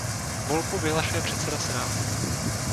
Volbu vyhlašuje předseda Senátu.